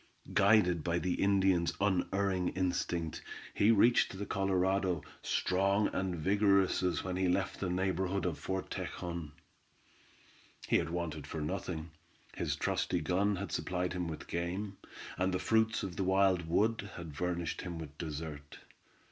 Guided by the Indian's unerring instinct, he reached the Colorado, strong and vigorous as when he left the neighborhood of Fort Tejon. He had wanted for nothing; his trusty gun had supplied him with game, and the fruits of the wild wood had furnished him dessert.